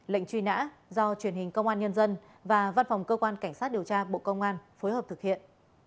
lệnh truy nã do truyền hình công an nhân dân và văn phòng cơ quan cảnh sát điều tra bộ công an phối hợp thực hiện